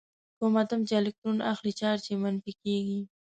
کوم اتوم چې الکترون اخلي چارج یې منفي کیږي.